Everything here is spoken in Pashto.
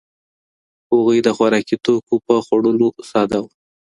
هغوی د خوراکي توکو په خوړلو ساده وو.